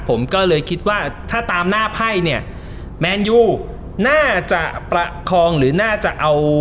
ผมก็เลยคิดว่าถ้าตามหน้าไพ่เนี่ยแมนยูน่าจะประคองหรือน่าจะเอา